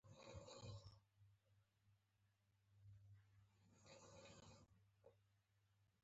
پښ موړ شو چې پاته یې کور شو متل د قناعت ارزښت ښيي